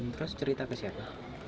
terus cerita ke siapa